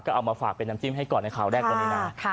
ก็เอามาฝากเป็นน้ำจิ้มให้ก่อนในคราวแรกกว่าในหน้า